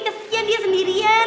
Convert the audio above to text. kesian dia sendirian